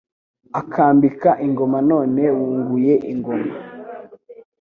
Akambika ingoma None wunguye ingoma